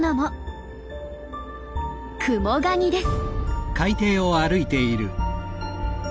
クモガニです。